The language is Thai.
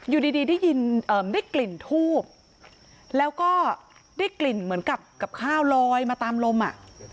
อยู่ดีได้ยินได้กลิ่นทูบแล้วก็ได้กลิ่นเหมือนกับกับข้าวลอยมาตามลมอ่ะ